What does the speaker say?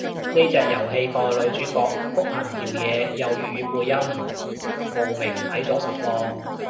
呢隻遊戲個女主角谷恆條嘢有粵語配音，慕名睇咗實況